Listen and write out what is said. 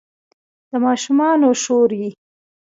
د ماشومانو شور یې